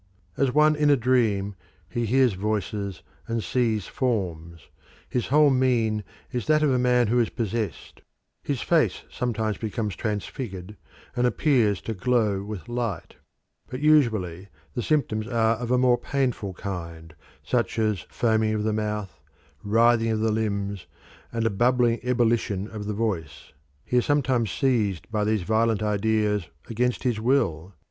As one in a dream he hears voices and sees forms; his whole mien is that of a man who is possessed; his face sometimes becomes transfigured and appears to glow with light; but usually the symptoms are of a more painful kind, such as foaming of the mouth, writhing of the limbs, and a bubbling ebullition of the voice. He is sometimes seized by these violent ideas against his will.